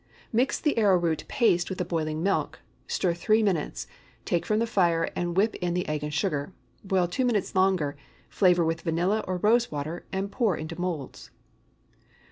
Mix the arrowroot paste with the boiling milk; stir three minutes; take from the fire and whip in the egg and sugar. Boil two minutes longer, flavor with vanilla or rose water, and pour into moulds.